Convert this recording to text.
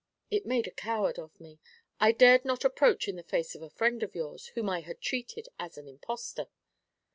It made a coward of me. I dared not approach in the face of a friend of yours whom I had treated as an impostor.'